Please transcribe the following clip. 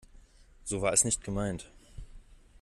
So war es nicht gemeint.